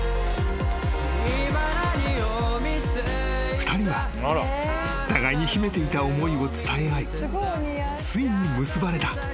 ［２人は互いに秘めていた思いを伝え合いついに結ばれた］